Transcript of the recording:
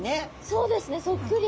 そうですねそっくり。